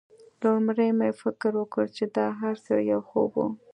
لومړی مې فکر وکړ چې دا هرڅه یو خوب و